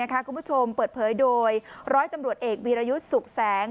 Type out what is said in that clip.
คุณผู้ชมเปิดเผยโดยร้อยตำรวจเอกวีรยุทธ์สุขแสง